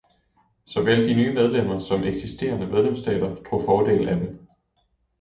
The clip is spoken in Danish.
Såvel de nye medlemmer som eksisterende medlemsstater drog fordel af dem.